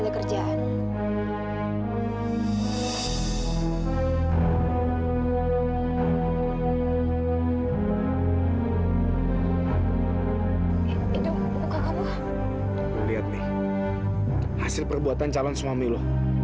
lihat nih hasil perbuatan calon suami lu